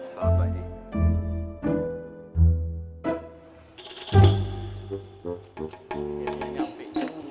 sampai jumpa lagi